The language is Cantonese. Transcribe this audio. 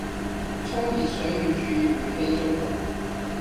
沖熱水要注意煤氣中毒